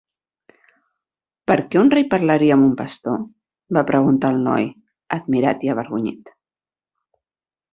"Per què un rei parlaria amb un pastor"?, va preguntar el noi, admirat i avergonyit.